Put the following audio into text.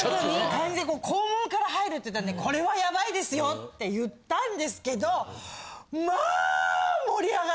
校門から入るって言ったんでこれはヤバいですよって言ったんですけど。